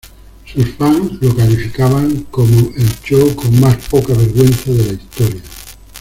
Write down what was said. Sus fans lo calificaban como ""el show con más poca vergüenza de la historia"".